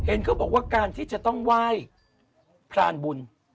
เขาบอกว่าการที่จะต้องไหว้พรานบุญ